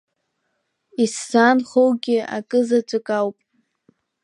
Исзаанхоугьы акызаҵәык ауп…